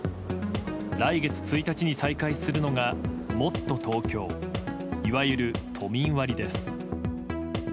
来月１日に再開するのがもっとＴｏｋｙｏいわゆる都民割です。